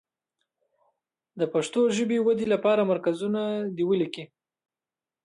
د پښتو ژبې ودې لپاره مرکزونه دې ولیکي.